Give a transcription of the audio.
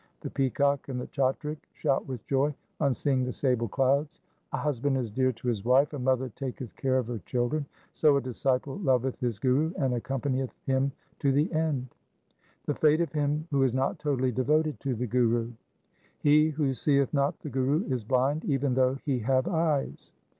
The peacock and the chatrik shout with joy on seeing the sable clouds. A husband is dear to his wife, a mother taketh care of her children ; so a disciple loveth his Guru and accompanieth him to the end. 1 The fate of him who is not totally devoted to the Guru :— He who seeth not the Guru is blind, even though he have eyes.